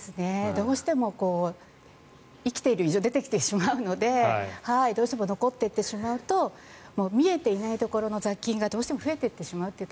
どうしても生きている以上出てきてしまうのでどうしても残っていてしまうと見えていないところの雑菌がどうしても増えていってしまうと。